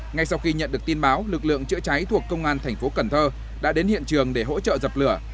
ngay sau khi nhận được tin báo lực lượng chữa cháy thuộc công an thành phố cần thơ đã đến hiện trường để hỗ trợ dập lửa